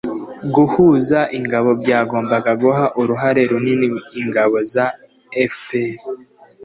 guhuza ingabo byagombaga guha uruhare runini ingabo za fpr